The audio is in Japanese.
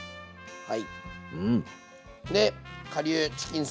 はい。